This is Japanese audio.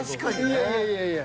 いやいやいやいや。